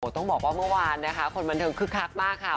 ต้องบอกว่าเมื่อวานนะคะคนบันเทิงคึกคักมากค่ะ